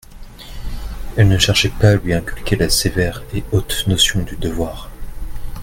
Elle ne cherchait pas à lui inculquer la sévère et haute notion du devoir.